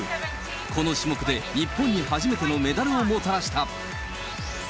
この種目で日本に初めてのメダルをもたらした。